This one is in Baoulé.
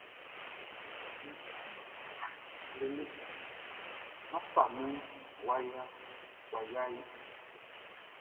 Mʼsiman wlele nan fami waya ehe.